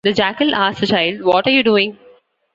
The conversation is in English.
The jackal asked the child: What are you doing?